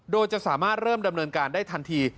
โดยจะสามารถเริ่มดำเนินการได้ทันที